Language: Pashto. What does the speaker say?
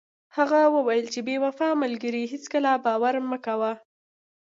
هغه وویل چې په بې وفا ملګري هیڅکله باور مه کوه.